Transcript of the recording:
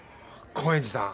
高円寺さん